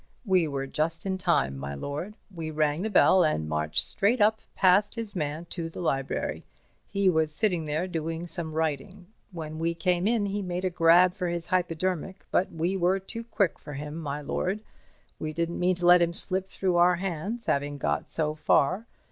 "We were just in time, my lord. We rang the bell and marched straight up past his man to the library. He was sitting there doing some writing. When we came in, he made a grab for his hypodermic, but we were too quick for him, my lord. We didn't mean to let him slip through our hands, having got so far.